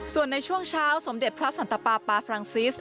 ส่วนในช่วงเช้าสมเด็จพระสันตปาปาฟรังซิส